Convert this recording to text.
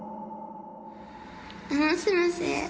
もしもし？